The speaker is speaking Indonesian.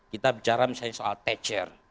kita bicara misalnya soal tature